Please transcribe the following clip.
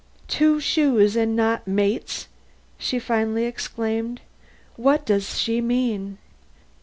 "Two shoes and not mates!" she finally exclaimed. "What does she mean?"